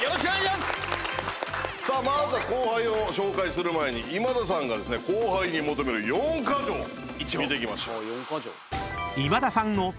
まずは後輩を紹介する前に今田さんがですね後輩に求める４ヶ条見ていきましょう。